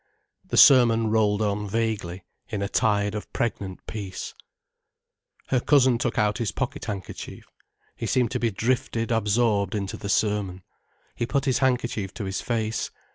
The sermon rolled on vaguely, in a tide of pregnant peace. Her cousin took out his pocket handkerchief. He seemed to be drifted absorbed into the sermon. He put his handkerchief to his face.